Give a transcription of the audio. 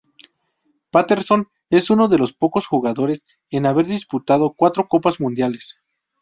Paterson es uno de los pocos jugadores en haber disputado cuatro Copas Mundiales.